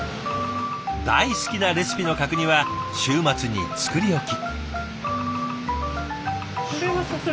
大好きなレシピの角煮は週末に作り置き。